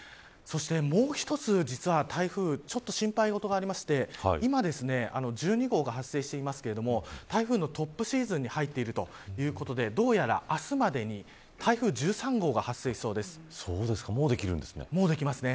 そしてもう一つ、実は台風ちょっと心配事がありまして今、１２号が発生していますけれども台風のトップシーズンに入ってるということでどうやら、明日までにもうできるんですね。